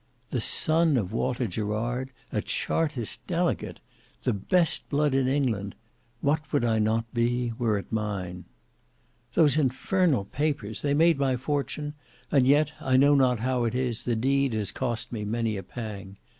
"The son of Walter Gerard! A chartist delegate! The best blood in England! What would I not be, were it mine. "Those infernal papers! They made my fortune—and yet, I know not how it is, the deed has cost me many a pang.